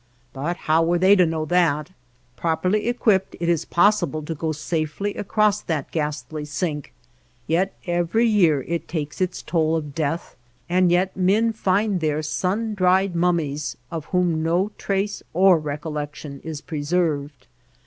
But how were they to know that ? Properly equipped it is possible to THE LAND OF LITTLE RAIN go safely across that ghastly sink, yet every year it takes its toll of death, and yet men find there sun dried mummies, of whom no trace or recollection is preserved.